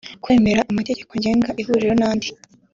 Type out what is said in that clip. kwemera amategeko ngenga ihuriro n andi